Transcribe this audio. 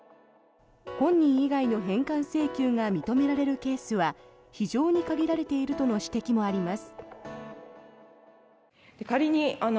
本人以外の返還請求が認められるケースは非常に限られているとの指摘もあります。